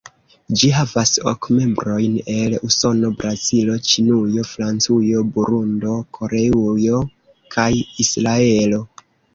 Ĝi havas ok membrojn, el Usono, Brazilo, Ĉinujo, Francujo, Burundo, Koreujo kaj Israelo.